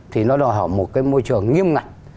thì nó đòi hỏi một cái môi trường nghiêm ngặt